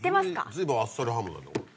随分あっさりハムだね。